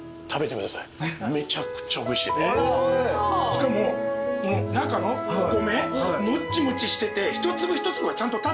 しかも中のお米もっちもちしてて一粒一粒がちゃんと立ってんだね。